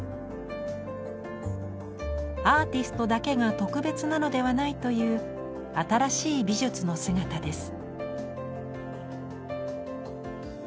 アーティストだけが特別なのではないという新しい美術の姿です。